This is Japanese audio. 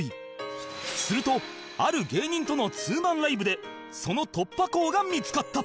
するとある芸人との２マンライブでその突破口が見つかった